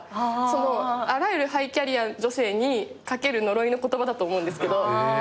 あらゆるハイキャリア女性にかける呪いの言葉だと思うんですけど。